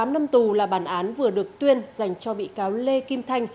một mươi tám năm tù là bản án vừa được tuyên dành cho bị cáo lê kim thanh